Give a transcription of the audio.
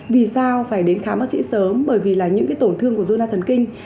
vì sao phải đến khám bác sĩ sớm bởi vì là những cái tổn thương của dưa thần kinh